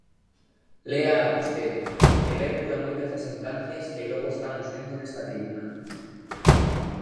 Léaa vostede, que ler cura moitas das ignorancias que logo estamos vendo nesta tribuna.